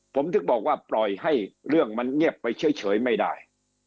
ผมถึงบอกว่าปล่อยให้เรื่องมันเงียบไปเฉยไม่ได้